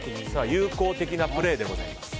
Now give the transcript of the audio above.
有効的なプレーでございます。